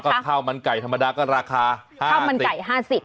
ก็ข้าวมันไก่ธรรมดาก็ราคา๕๐บาท